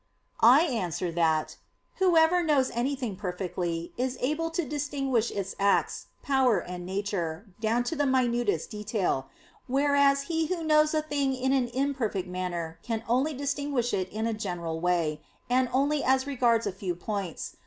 I answer that, Whoever knows anything perfectly, is able to distinguish its acts, powers, and nature, down to the minutest details, whereas he who knows a thing in an imperfect manner can only distinguish it in a general way, and only as regards a few points.